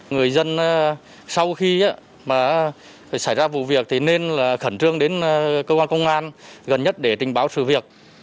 người dân sau khi mà xảy ra vụ việc thì nên khẩn trương đến cơ quan công an gần nhất để trình báo sự việc